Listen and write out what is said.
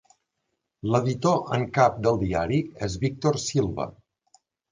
L'editor en cap del diari és Víctor Silva.